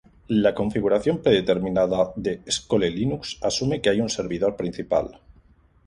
La configuración predeterminada de Skolelinux asume que hay un servidor principal,